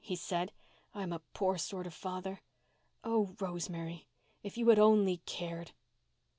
he said. "I'm a poor sort of father. Oh, Rosemary! If you had only cared!"